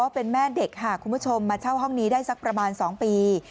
เป็นแม่เด็กค่ะคุณผู้ชมมาเช่าห้องนี้ได้สักประมาณ๒ปี